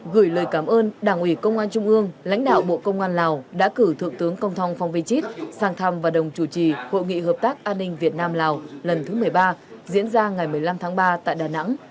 gửi lời cảm ơn đảng ủy công an trung ương lãnh đạo bộ công an lào đã cử thượng tướng công thong phong vy chít sang thăm và đồng chủ trì hội nghị hợp tác an ninh việt nam lào lần thứ một mươi ba diễn ra ngày một mươi năm tháng ba tại đà nẵng